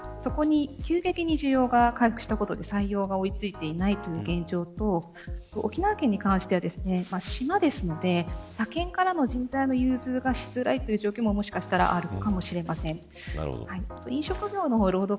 そこに急激に需要が回復したことで採用が追いついていないという現状と沖縄県に関しては島ですので他県からの人材の融通がしづらいという状況ももしかしたらあるかもしれません。